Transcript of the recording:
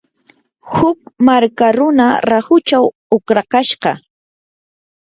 huk marka runa rahuchaw uqrakashqa.